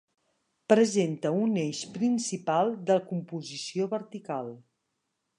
Presenta un eix principal de composició vertical.